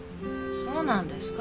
そうなんですか？